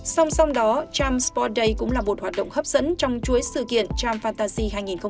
song song đó tram sport day cũng là một hoạt động hấp dẫn trong chuối sự kiện tram fantasy hai nghìn hai mươi bốn